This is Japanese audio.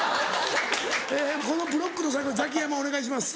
このブロックの最後ザキヤマお願いします。